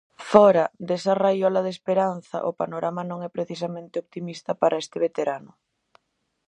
Fóra desta raiola de esperanza, o panorama non é precisamente optimista para este veterano.